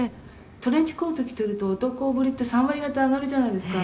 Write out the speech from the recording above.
「トレンチコート着てると男ぶりって３割方上がるじゃないですか」